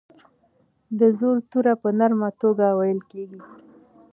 د زور توری په نرمه توګه ویل کیږي.